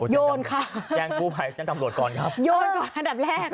โยนค่ะโยนก่อนดับแรก